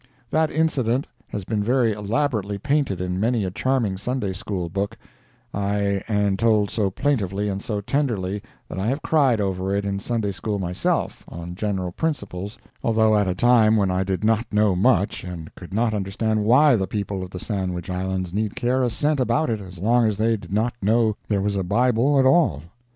That incident has been very elaborately painted in many a charming Sunday School book—aye, and told so plaintively and so tenderly that I have cried over it in Sunday School myself, on general principles, although at a time when I did not know much and could not understand why the people of the Sandwich Islands need care a cent about it as long as they did not know there was a Bible at all.